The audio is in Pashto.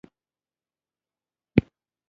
افغانستان د ځمکه له مخې پېژندل کېږي.